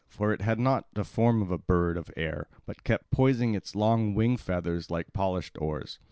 For it had not the form of a bird of the air but kept poising its long wing feathers like polished oars.